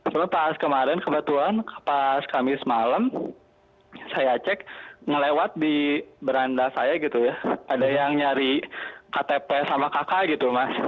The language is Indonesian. lalu pas kemarin kebetulan pas kamis malam saya cek ngelewat di beranda saya gitu ya ada yang nyari ktp sama kakak gitu mas